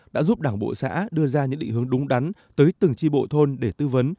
đã giúp đảng bộ xã đưa ra những định hướng đúng đắn tới từng tri bộ thôn để tư vấn